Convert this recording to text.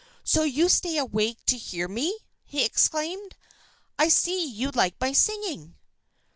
"So you stay awake to hear me!" he exclaimed. "I see you like my singing."